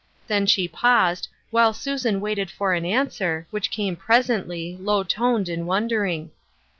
Then she paused, while Susan waited for the answer, which came presently, low toned and wondering.